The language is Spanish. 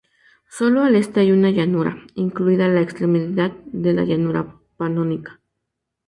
Sólo al este hay una llanura, incluida la extremidad de la llanura panónica.